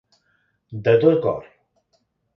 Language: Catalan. De tot cor.